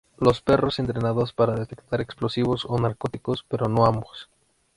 Los perros son entrenados para detectar explosivos o narcóticos, pero no ambos.